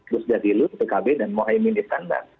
gus zilul bkb dan mohaimin iskandar